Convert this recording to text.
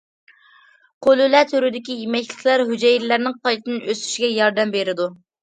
قۇلۇلە تۈرىدىكى يېمەكلىكلەر ھۈجەيرىلەرنىڭ قايتىدىن ئۆسۈشىگە ياردەم بېرىدۇ.